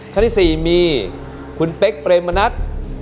ท่านที่๔มีคุณเป๊กเปรมมณัฐ